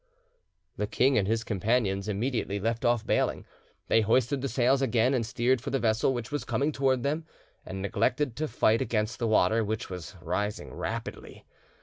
The king and his companions immediately left off bailing; they hoisted the sails again, and steered for the vessel which was coming towards them, and neglected to fight against the water, which was rising rapidly.